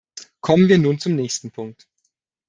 Kommen wir nun zum nächsten Punkt.